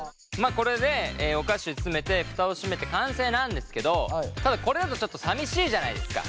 これでお菓子詰めてフタを閉めて完成なんですけどただこれだとちょっとさみしいじゃないですか。